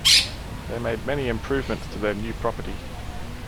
They made many improvements to their new property.